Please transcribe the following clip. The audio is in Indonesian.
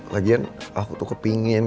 lagian aku tuh kepengen